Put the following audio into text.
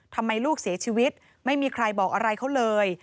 ทำไมลูกเสียชีวิตไม่มีใครบอกอะไรเขาเลย